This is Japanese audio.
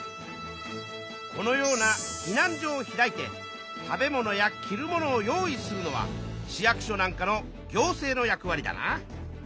このような避難所を開いて食べ物や着る物を用意するのは市役所なんかの行政の役わりだな。